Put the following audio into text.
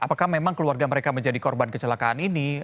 apakah memang keluarga mereka menjadi korban kecelakaan ini